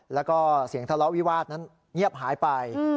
แล้วก็เสียงทะเลาะวิวาสนั้นเงียบหายไป